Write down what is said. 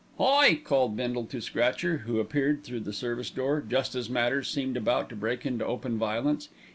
"Hi!" called Bindle to Scratcher, who appeared through the service door, just as matters seemed about to break into open violence.